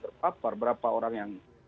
terpapar berapa orang yang